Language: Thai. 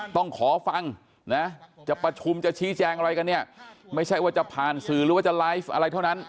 ต้องขอฟังนะจะประชุมจะชี้แจงอะไรกันเนี่ยไม่ใช่ว่าจะผ่านสื่อหรือว่าจะไลฟ์อะไรเท่านั้น